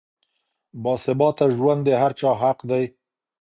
باثباته ژوند د هر چا حق دی.